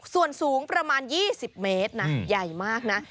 ส่วนสูงประมาณ๒๐เมตรนะใหญ่มากนะ